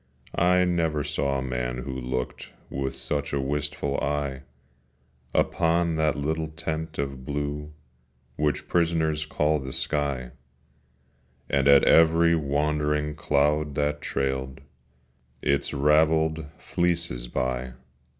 I never saw a man who looked With such a wistful eye Upon that little tent of blue Which prisoners call the sky, And at every wandering cloud that trailed Its ravelled fleeces by.